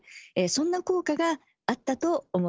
そんな効果があったと思われます。